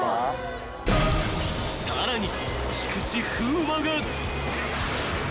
［さらに］